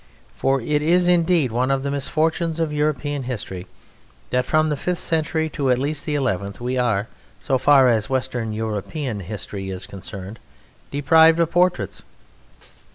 It is indeed one of the misfortunes of European history that from the fifth century to at least the eleventh we are, so far as Western European history is concerned, deprived of portraits.